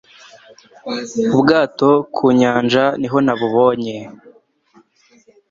Ubwato ku nyanja niho na bu bonye